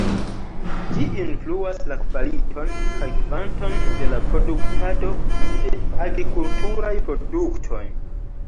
Ĝi influas la kvaliton kaj kvanton de la produktado de agrikulturaj produktoj.